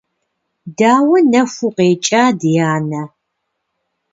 Дауэ нэху укъекӀа, ди анэ?